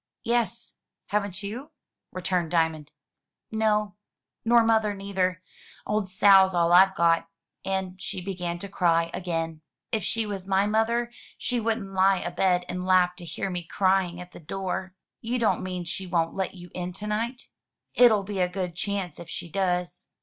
"Yes. Haven't you?'' returned Diamond. "No; nor mother neither. Old Sal's all I've got." And she began to cry again. "If she was my mother, she wouldn't lie abed and laugh to hear me crying at the door." "You don't mean she won't let you in to night?" "It'll be a good chance if she does."